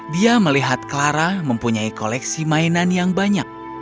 dia melihat clara mempunyai koleksi mainan yang banyak